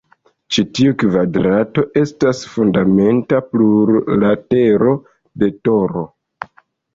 Ĉi tiu kvadrato estas fundamenta plurlatero de toro.